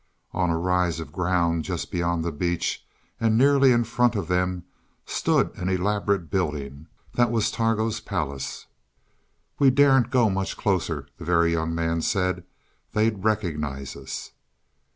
On a rise of ground just beyond the beach, and nearly in front of them, stood an elaborate building that was Targo's palace. "We daren't go much closer," the Very Young Man said. "They'd recognize us."